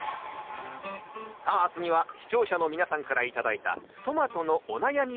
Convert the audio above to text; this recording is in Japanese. さあ次は視聴者の皆さんから頂いたトマトのお悩みを解決。